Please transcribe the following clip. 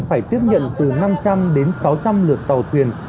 phải tiếp nhận từ năm trăm linh đến sáu trăm linh lượt tàu thuyền